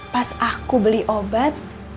pas aku beli obat